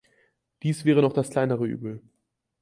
Dies wäre noch das kleinere Übel.